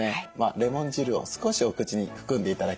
レモン汁を少しお口に含んで頂けますか？